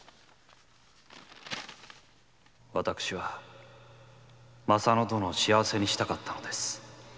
私はまさ乃殿を幸せにしたかったのです